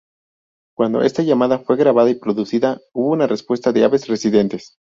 Cuando esta llamada fue grabada y reproducida hubo una respuesta de aves residentes.